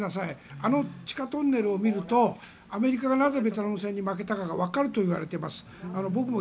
あの地下トンネルを見るとアメリカがなぜベトナム戦に負けたかわかるといいます。